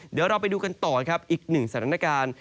เดี๋ยวเราไปดูกันต่อครับอีกหนึ่งสถานการณ์